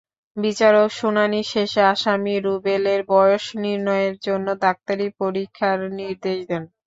বিচারক শুনানি শেষে আসামি রুবেলের বয়স নির্ণয়ের জন্য ডাক্তারি পরীক্ষার নির্দেশ দেন।